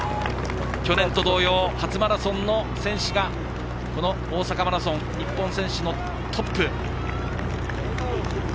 去年と同様、初マラソンの選手がこの大阪マラソン日本選手のトップ。